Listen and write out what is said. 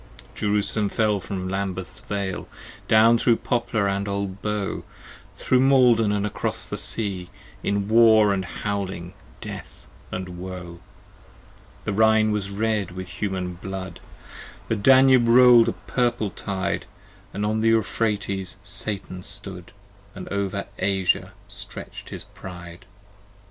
Jerusalem fell from Lambeth's Vale, Down thro' Poplar & Old Bow; 60 Thro' Maiden & acros the Sea, In War & howling, death & woe. The Rhine was red with human blood; The Danube roll'd a purple tide ; On the Euphrates Satan stood, 65 And over Asia stretch'd his pride.